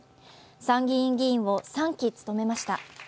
参議院議員を３期務めました。